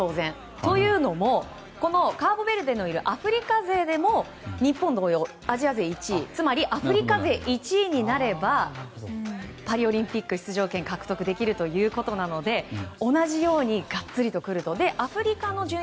というのも、カーボベルデのいるアフリカ勢でも日本同様、アジア勢１位つまりアフリカ勢１位になればパリオリンピック出場権獲得できるということなので同じように、がっつりとくると。